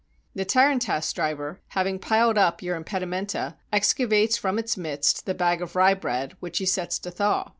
The tarantass driver, having piled up your impedi menta, excavates from its midst the bag of rye bread, which he sets to thaw.